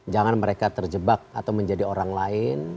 jangan mereka terjebak atau menjadi orang lain